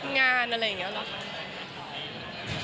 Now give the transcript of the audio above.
งานอะไรอย่างนี้หรอคะ